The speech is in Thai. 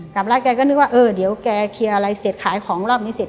กลับแล้วแกก็นึกว่าเออเดี๋ยวแกเคลียร์อะไรเสร็จขายของรอบนี้เสร็จ